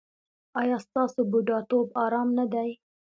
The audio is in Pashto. ایا ستاسو بوډاتوب ارام نه دی؟